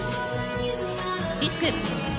リスク。